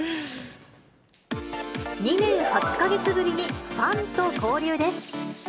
２年８か月ぶりにファンと交流です。